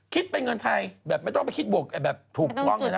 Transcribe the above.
คิดเป็นเงินไทยแบบไม่ต้องไปคิดบวกแบบถูกต้องเลยนะ